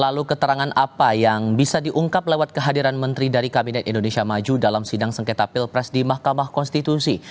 lalu keterangan apa yang bisa diungkap lewat kehadiran menteri dari kabinet indonesia maju dalam sidang sengketa pilpres di mahkamah konstitusi